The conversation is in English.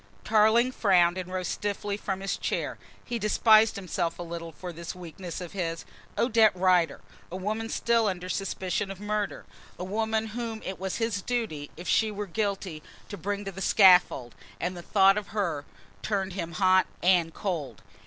Tarling frowned and rose stiffly from his chair. He despised himself a little for this weakness of his. Odette Rider! A woman still under suspicion of murder, a woman whom it was his duty, if she were guilty, to bring to the scaffold, and the thought of her turned him hot and cold!